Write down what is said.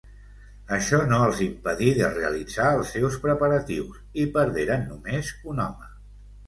Això no els impedí de realitzar els seus preparatius, i perderen només un home.